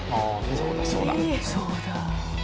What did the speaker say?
そうだ。